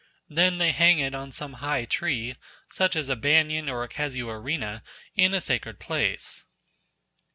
Then they hang it on some high tree, such as a banyan or a casuarina, in a sacred place.